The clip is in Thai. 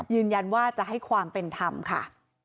ยืนยันว่าจะให้ความเป็นธรรมค่ะ